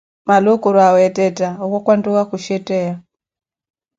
maluukuro aweettetta okwakwanttuwa ku shetteya.